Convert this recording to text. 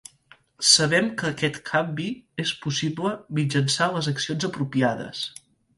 Sabem que aquest canvi és possible mitjançant les accions apropiades.